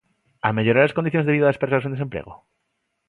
¿A mellorar as condicións de vida das persoas en desemprego?